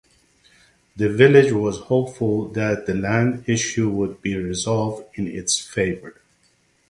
The village was hopeful that the land issue would be resolved in its favour.